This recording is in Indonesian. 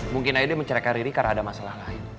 mungkin aida mencerahkan riri karena ada masalah lain